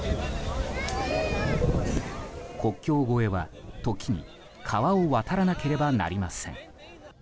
国境越えは、時に川を渡らなければなりません。